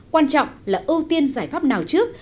quan trọng là ưu tiên giải pháp nào trước